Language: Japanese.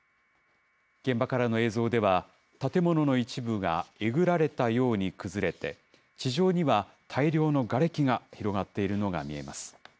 現場からの映像では、建物の一部がえぐられたように崩れて、地上には大量のがれきが広がっているのが見えます。